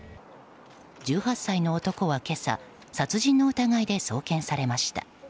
１８歳の男は今朝殺人の疑いで送検されました。